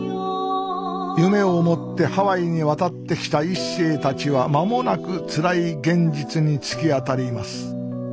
夢を持ってハワイに渡ってきた１世たちは間もなくつらい現実に突き当たります。